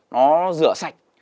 nó rửa sạch